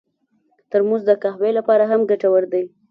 ترموز د قهوې لپاره هم ګټور دی.